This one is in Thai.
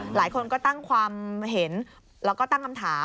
หลายคนก็ตั้งความเห็นแล้วก็ตั้งคำถาม